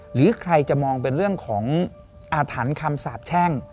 หรือใครจะมองเป็นเรื่องของอาถรรพ์คำสาบแช่ง